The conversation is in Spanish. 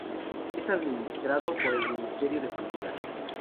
Es administrado por el Ministerio de Cultura.